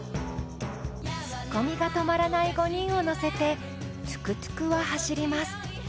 ツッコミが止まらない５人を乗せてトゥクトゥクは走ります